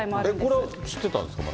これ、知ってたんですか？